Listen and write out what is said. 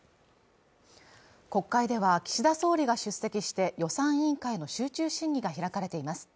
国会では岸田総理が出席して予算委員会の集中審議が開かれています